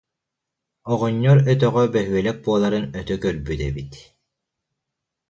Оҕонньор өтөҕө бөһүөлэк буоларын өтө көрбүт эбит